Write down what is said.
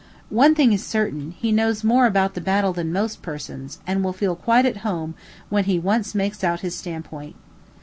One thing is certain; he knows more about the battle than most persons, and will feel quite at home when he once makes out his stand point.